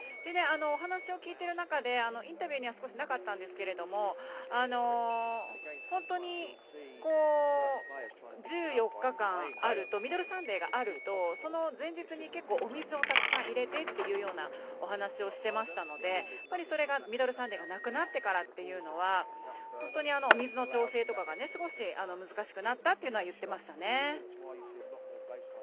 お話を聞いてる中でインタビューにはなかったんですけども本当に１４日間あるとミドルサンデーがあるとその前日に結構、お水をたくさん入れてっていうようなお話をしてましたのでやっぱりミドルサンデーがなくなってからというのは本当にお水の調整とかが少し難しくなったというのは言ってましたね。